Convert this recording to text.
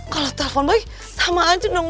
kalau telepon baik sama aja dong